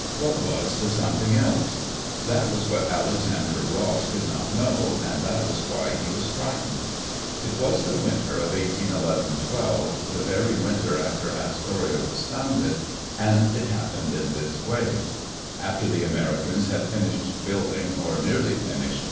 What was the something else" ? That was what Alexander Ross did not know, and that was why he was frightened. It was in the winter of 1811 12, the very winter after Astoria was founded, and it happened in this way: After the Americans had finished building, or nearly finished.